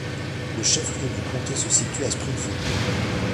Le chef-lieu du comté se situe à Springfield.